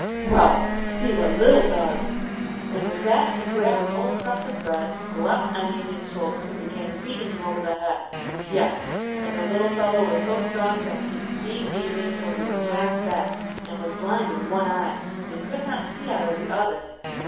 Well, see what little does!" And with that he grabbed an old crust of bread, leapt on Evening's shoulders, and began beating him over the head. Yes, and the little fellow was so strong he beat Evening till he was half dead, and was blind in one eye and could not see out of the other.